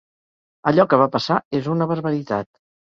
Allò que va passar és una barbaritat.